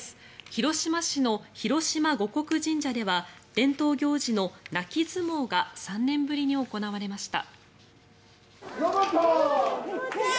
広島市の広島護国神社では伝統行事の泣き相撲が３年ぶりに行われました。